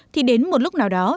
thì đến một lúc nào đó